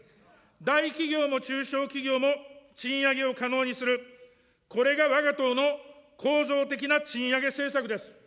大企業も中小企業も賃上げを可能にする、これがわが党の構造的な賃上げ政策です。